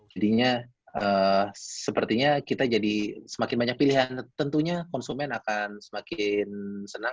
jadinya sepertinya kita jadi semakin banyak pilihan tentunya konsumen akan semakin senang